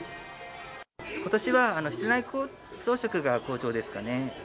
ことしは室内装飾が好調ですかね。